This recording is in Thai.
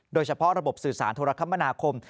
โดยเฉพาะระบบสื่อสารโทรคมนาคม